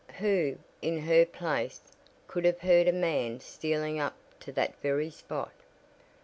Who, in her place, could have heard a man stealing up to that very spot?